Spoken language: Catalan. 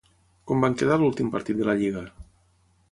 Com van quedar a l'últim partit de la Lliga?